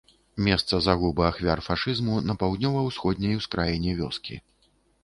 Месца загубы ахвяр фашызму на паўднёва-ўсходняй ускраіне вёскі.